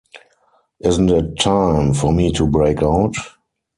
Isn't it time for me to break out?